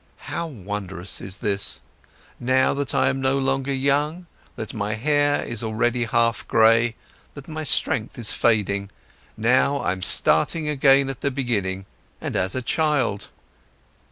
How wondrous is this! Now, that I'm no longer young, that my hair is already half gray, that my strength is fading, now I'm starting again at the beginning and as a child!